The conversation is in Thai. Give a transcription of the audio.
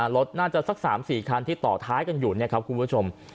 รถน่าจะสักสามสี่คันที่ต่อท้ายกันอยู่ของคุณผู้ชม